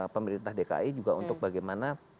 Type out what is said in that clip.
pemerintah dki juga untuk bagaimana